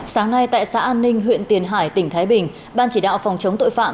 sáng nay tại xã an ninh huyện tiền hải tỉnh thái bình ban chỉ đạo phòng chống tội phạm